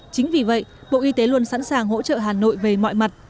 chính vì vậy bộ y tế luôn sẵn sàng hỗ trợ hà nội về mọi mặt